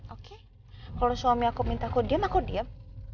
oke kalau suami aku minta aku diem aku diem